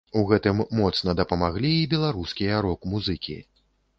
У гэтым моцна дапамаглі і беларускія рок-музыкі.